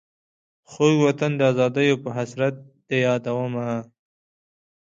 خوږ وطن د آزادیو په حسرت دي یادومه.